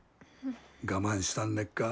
我慢したんねっか。